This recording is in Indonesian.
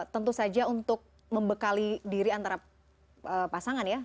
tentu saja untuk membekali diri antara pasangan ya